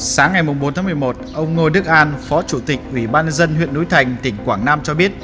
sáng ngày bốn một mươi một ông ngô đức an phó chủ tịch ủy ban nhân dân huyện núi thành tỉnh quảng nam cho biết